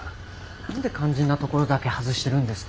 何で肝心なところだけ外してるんですか。